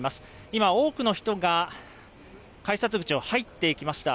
今、多くの人が改札口を入っていきました。